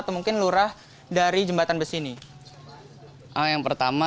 pemprov dki jakarta